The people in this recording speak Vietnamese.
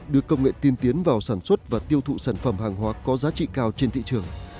đưa công nghệ tiên tiến vào sản xuất và tiêu thụ sản phẩm hàng hóa có giá trị cao trên thị trường